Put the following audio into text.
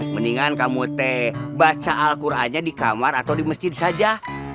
mendingan kamu te baca alquran nya di kamar atau di masjid saja